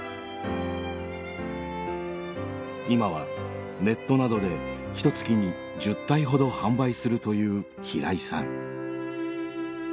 今はネットなどでひとつきに１０体ほど販売するという平井さん。